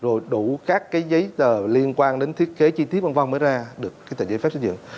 rồi đủ các cái giấy tờ liên quan đến thiết kế chi tiết v v mới ra được cái tờ giấy phép xây dựng